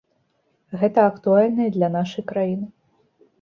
Гэта актуальна і для нашай краіны.